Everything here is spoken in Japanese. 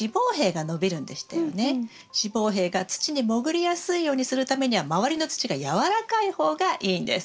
子房柄が土にもぐりやすいようにするためには周りの土が軟らかい方がいいんです。